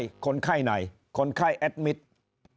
อย่างนั้นเนี่ยถ้าเราไม่มีอะไรที่จะเปรียบเทียบเราจะทราบได้ไงฮะเออ